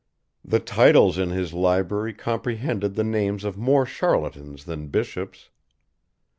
The titles in his library comprehended the names of more charlatans than bishops.